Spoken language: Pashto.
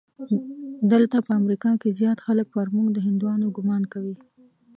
دلته په امریکا کې زیات خلک پر موږ د هندیانو ګومان کوي.